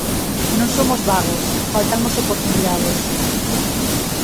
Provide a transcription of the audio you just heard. Non somos vagos, fáltannos oportunidades.